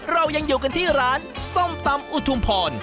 เรายังอยู่กันที่ร้านส้มตำอุทุมพร